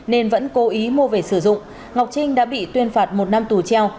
nên vẫn cố ý mua về sử dụng ngọc trinh đã bị tuyên phạt một năm tù treo